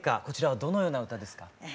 こちらはどのような歌ですか？